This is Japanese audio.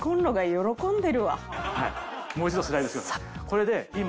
これで今。